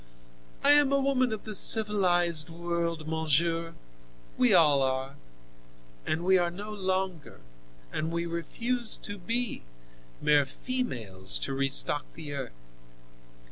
I am a woman of the civilized world, monsieur—we all are—and we are no longer, and we refuse to be, mere females to restock the earth."